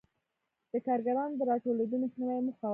د کارګرانو د راټولېدو مخنیوی یې موخه و.